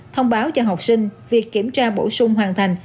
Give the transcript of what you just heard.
thông báo cho học sinh việc kiểm tra bổ sung hoàn thành